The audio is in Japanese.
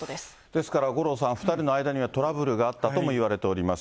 ですから、五郎さん、２人の間にはトラブルがあったともいわれています。